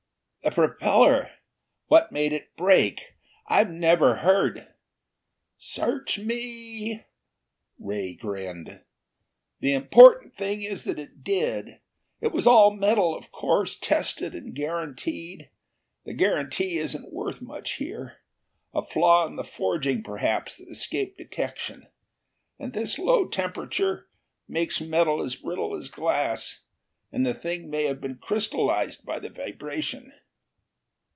"The propeller! What made it break? I've never heard " "Search me!" Ray grinned. "The important thing is that it did. It was all metal, of course, tested and guaranteed. The guarantee isn't worth much here. A flaw in the forging, perhaps, that escaped detection. And this low temperature. Makes metal as brittle as glass. And the thing may have been crystallized by the vibration."